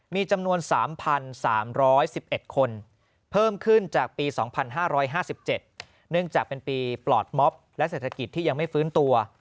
มีจำนวน๓๓๑๑คนเพิ่มขึ้นจากปี๒๕๕๗เนื่องจากเป็นปีปลอดม็อบและเศรษฐกิจที่ยังไม่ฟื้นตัว